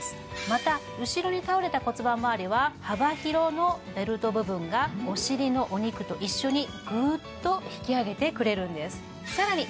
また後ろに倒れた骨盤周りは幅広のベルト部分がお尻のお肉と一緒にグッと引き上げてくれるんですさらに